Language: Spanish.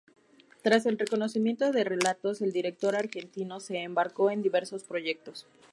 Tras el reconocimiento por "Relatos...", el director argentino se embarcó en diversos proyectos.